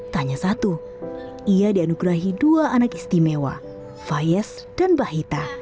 tanya satu ia dianugerahi dua anak istimewa fayes dan bahita